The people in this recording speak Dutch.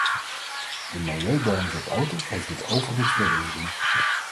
De milieubonus op auto's heeft dit overigens bewezen.